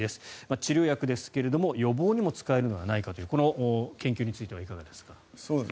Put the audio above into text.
治療薬ですけれど予防にも使えるのではないかというこの研究についてはいかがでしょうか。